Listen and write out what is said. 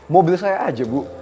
mobil saya aja bu